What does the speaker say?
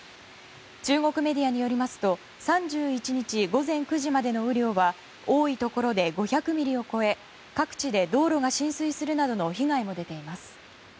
中国メディアによりますと３１日午前９時までの雨量は多いところで５００ミリを超え各地で道路が浸水するなどの被害も出ています。